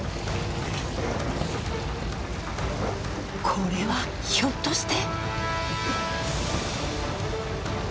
これはひょっとして。